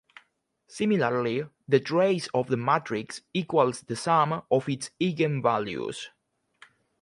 Similarly, the trace of the matrix equals the sum of its eigenvalues.